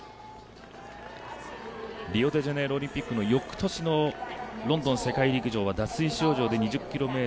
リオデジャネイロオリンピックの翌年、ロンドン世界陸上は脱水症状で３８位。